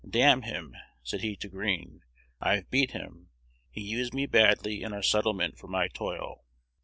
"Damn him," said he to Green, "I've beat him: he used me badly in our settlement for my toil."